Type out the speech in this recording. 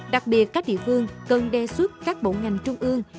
đặc biệt các địa phương cần đề xuất các bộ ngành trung ương